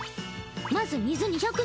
まず水２００ｃｃ。